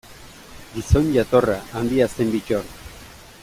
Gizon jatorra, handia zen Bittor.